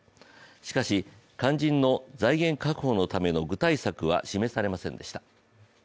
しかし、肝心の財源確保のための具体策は示されませんでした。